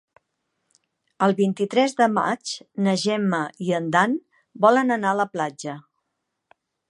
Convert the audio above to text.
El vint-i-tres de maig na Gemma i en Dan volen anar a la platja.